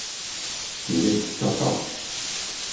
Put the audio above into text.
Yella yettett aṭas.